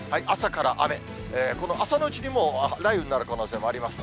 この朝のうちにも、雷雨になる可能性もあります。